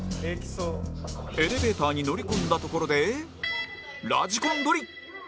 エレベーターに乗り込んだところでラジコン鳥！